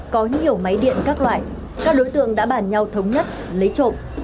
có nhiều máy điện các loại các đối tượng đã bàn nhau thống nhất lấy trộm